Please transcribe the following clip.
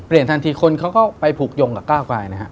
เปลี่ยนทันทีคนเขาก็ไปผูกยงกับก้าวกายนะครับ